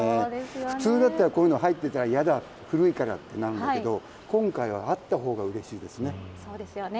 普通だったらこういうの入ってたら嫌だ、古いからってなるんだけど、今回はあったほうがうれしいですね。